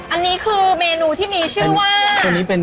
อันนี้คือเมนูที่มีชื่อว่า